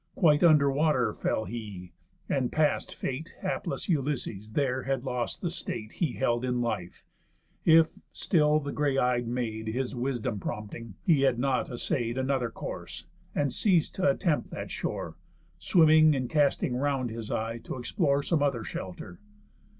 Quite under water fell he; and, past fate, Hapless Ulysses there had lost the state He held in life, if, still the grey eyed Maid His wisdom prompting, he had not assay'd Another course, and ceas'd t' attempt that shore, Swimming, and casting round his eye t' explore Some other shelter.